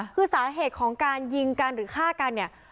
คือสาเหตุของการยิงกันหรือฆ่ากันเนี่ย